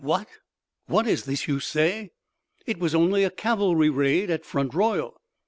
"What! What is this you say! It was only a cavalry raid at Front Royal!"